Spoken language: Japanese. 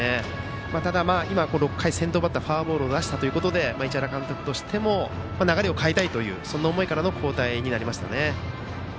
ただ、今、６回先頭バッターをフォアボールを出したということで市原監督としても流れを変えたいという思いからの交代ですね。